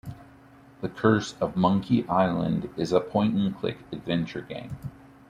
"The Curse of Monkey Island" is a point-and-click adventure game.